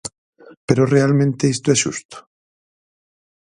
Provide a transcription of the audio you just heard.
¿Pero realmente isto é xusto?